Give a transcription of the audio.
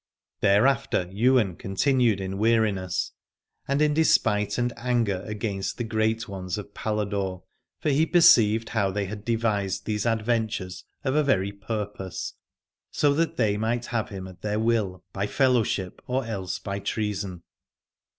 Thereafter Ywain continued in weariness, and in despite and anger against the great ones of Paladore : for he perceived how they had devised these adventures of a very pur pose, so that they might have him at their will by fellowship or else by treason.